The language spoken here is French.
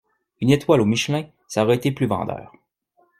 Une étoile au Michelin ça aurait été plus vendeur